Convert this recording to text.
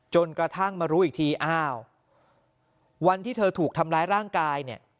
จนกระทั่งมารู้อีกทีอ้าววันที่เธอถูกทำร้ายร่างกายเนี่ย